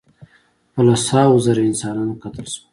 په لس هاوو زره انسانان قتل شول.